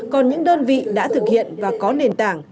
còn những đơn vị đã thực hiện và có nền tảng